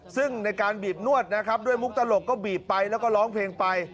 ซึ่งในการบีบนวดนะครับด้วยมุกตลกก็บีบไปแล้วก็ร้องเพลงไป